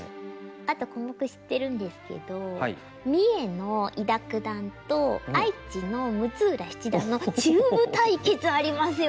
あとコモク知ってるんですけど三重の伊田九段と愛知の六浦七段の中部対決ありますよね。